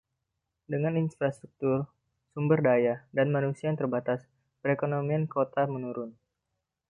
Dengan infrastruktur, sumber daya, dan manusia yang terbatas, perekonomian kota menurun.